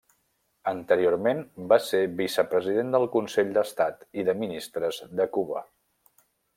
Anteriorment va ser Vicepresident del Consell d'Estat i de Ministres de Cuba.